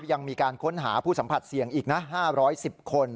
ยังมีการค้นหาผู้สัมผัสเสี่ยงอีกนะ๕๑๐คน